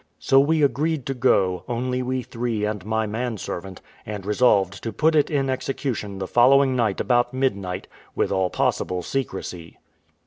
So we agreed to go, only we three and my man servant, and resolved to put it in execution the following night about midnight, with all possible secrecy.